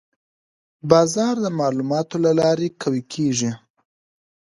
بازار د معلوماتو له لارې قوي کېږي.